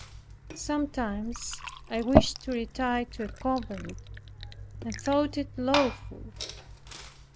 Sometimes I wished to retire to a convent, and thought it lawful.